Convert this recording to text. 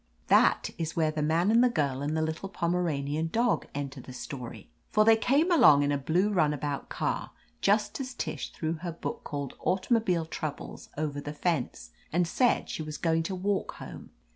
That is where the man and the girl and the little Pomeranian dog enter the story. For they came along in a blue runabout car just as Tish threw her book called Automobile Troubles over the fence and said she was going to walk home.